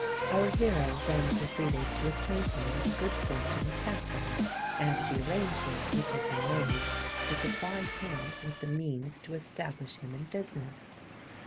Our hero then proceeded to acquaint him with the good fortune of Katharine, and the arrangement which had been made to supply him with the means to establish him in business.